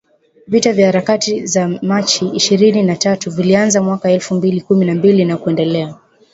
Vita vya Harakati za Machi ishirini na tatu vilianza mwaka elfu mbili kumi na mbili na kuendelea.